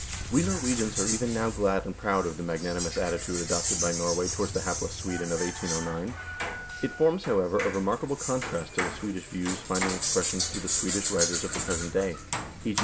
We Norwegians are even now glad and proud of the magnanimous attitude adopted by Norway towards the hapless Sweden of 1809 ; it forms, however, a remarkable contrast to the Swedish views finding expression through the Swedish writers of the present day ; e.g.